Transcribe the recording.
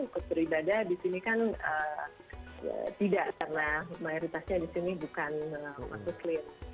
ketua ibadah di sini kan tidak karena mayoritasnya di sini bukan masuk klit